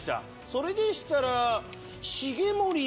それでしたら。